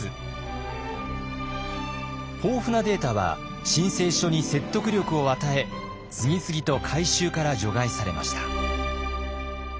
豊富なデータは申請書に説得力を与え次々と回収から除外されました。